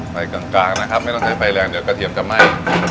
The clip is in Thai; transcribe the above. ไฟกลางนะครับไม่ต้องใช้ไฟแรงเดี๋ยวกระเทียมจะไหม้